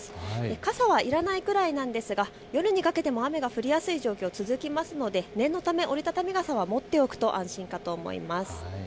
傘はいらないくらいなんですが夜にかけても雨が降りやすい状況、続きますので念のため折り畳み傘を持っておくと安心かと思います。